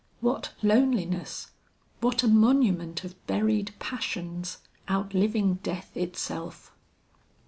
What loneliness! what a monument of buried passions outliving death itself!